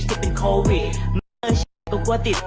สิทธิ์เป็นโควิดมันก็กลัวติด